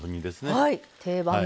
はい。